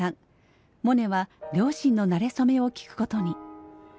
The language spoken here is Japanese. モネは両親のなれ初めを聞くことに。